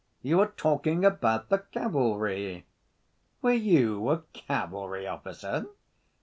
You were talking about the cavalry. Were you a cavalry officer?"